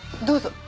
どうぞ。